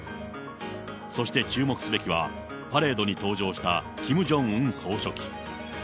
そして注目すべきは、パレードに登場したキム・ジョンウン総書記。